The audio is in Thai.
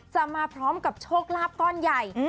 มาพร้อมกับโชคลาภก้อนใหญ่